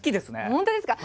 本当ですか！